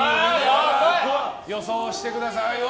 予想してください。